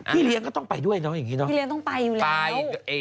พี่เลี้ยงก็ต้องไปด้วยเนอะพี่เลี้ยงต้องไปอยู่แล้ว